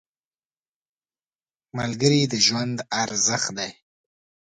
ملګری د ژوند ارزښت دی